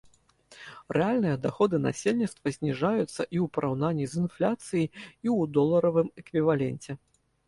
Рэальныя даходы насельніцтва зніжаюцца і ў параўнанні з інфляцыяй, і ў доларавым эквіваленце.